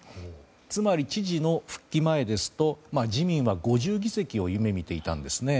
つまり知事の復帰前ですと自民は５０議席を夢見ていたんですね。